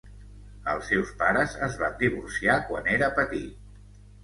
Els seus pares es van divorciar quan era petit.